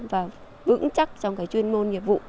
và vững chắc trong cái chuyên môn nhiệm vụ